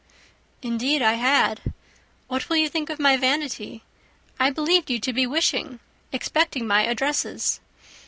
"Indeed I had. What will you think of my vanity? I believed you to be wishing, expecting my addresses."